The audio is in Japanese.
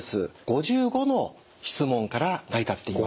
５５の質問から成り立っています。